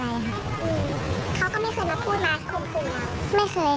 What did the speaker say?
เขาก็ไม่เคยรับพูดมาคงคุย